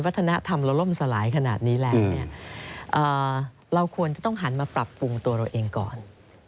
วัฒนธรรมเราล่มสลายขนาดนี้แล้วเราควรจะต้องหันมาปรับปรุงตัวเราเองก่อน